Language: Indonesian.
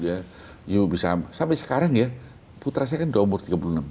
ya bisa sampai sekarang ya putra saya kan udah umur tiga puluh enam